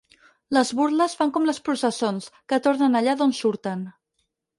Les burles fan com les processons, que tornen allà d'on surten.